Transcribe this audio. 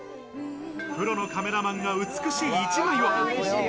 プロのカメラマンが美しい一枚を。